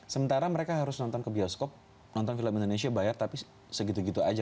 sementara mereka harus nonton ke bioskop nonton film indonesia bayar tapi segitu gitu aja